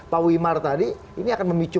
pak wimar tadi ini akan memicu